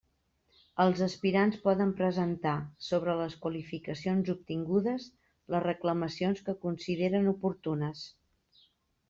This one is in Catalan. Els aspirants poden presentar, sobre les qualificacions obtingudes, les reclamacions que consideren oportunes.